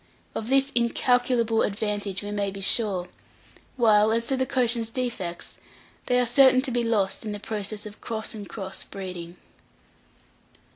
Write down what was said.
Of this incalculable advantage we may be sure; while, as to the Cochin's defects, they are certain to be lost in the process of "cross and cross" breeding.